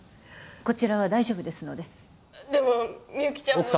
こちらは大丈夫ですのででもみゆきちゃんもね